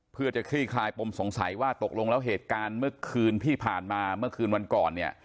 เพื่อจะคลี่คลายปมสงสัยว่าตกลงแล้วเหตุการณ์เมื่อคืนที่ผ่านมาเมื่อคืนวันก่อนเนี่ย